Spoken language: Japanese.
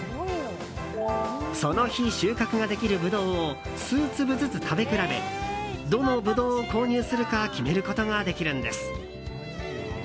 その日、収穫ができるブドウを数粒ずつ食べ比べどのブドウを購入するか決めることができるんです。